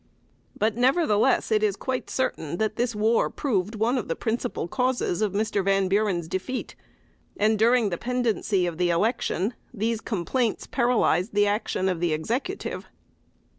But, nevertheless, it is quite certain that this war proved one of the principal causes of Mr. Van Buren's defeat; and, during the pendency of the election, these complaints paralyzed the action of the Executive.